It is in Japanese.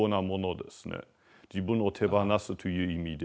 自分を手放すという意味で。